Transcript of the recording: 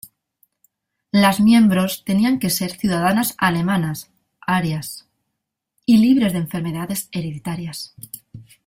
Las miembros tenían que ser ciudadanas alemanas, "arias", y libres de enfermedades hereditarias.